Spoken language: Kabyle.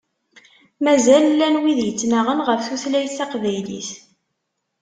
Mazal llan wid yettnaɣen ɣef tutlayt taqbaylit.